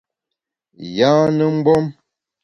Yâne mgbom !